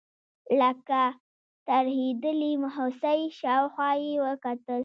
لکه ترهېدلې هوسۍ شاوخوا یې وکتل.